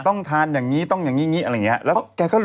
ต้องทานอย่างงี้ต้องอย่างงี้อย่างงี้อะไรอย่างเงี้ยแล้วแกก็